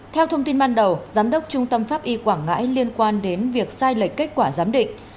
theo thông tin ban đầu giám đốc trung tâm pháp y quảng ngãi liên quan đến việc sai lệch kết quả giám định